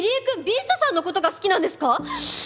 ビーストさんのことが好きなんですか⁉しぃ！